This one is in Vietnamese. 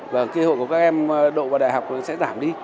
và cơ hội của các em độ vào đại học sẽ giảm đi